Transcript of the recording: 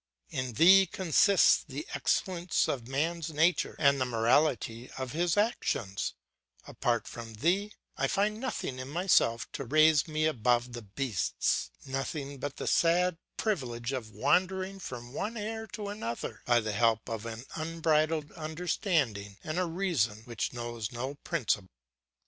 In thee consists the excellence of man's nature and the morality of his actions; apart from thee, I find nothing in myself to raise me above the beasts nothing but the sad privilege of wandering from one error to another, by the help of an unbridled understanding and a reason which knows no principle.